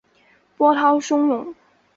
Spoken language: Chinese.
波涛汹涌